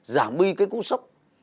giảm bi cái cút xúc